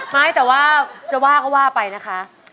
ไม่แต่ว่าจะว่าก็ว่าไปนะคะ